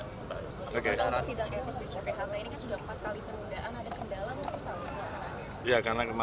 pertama tama sidang etik di cphk ini kan sudah empat kali perundaan ada cendala mungkin kalau dihasilkan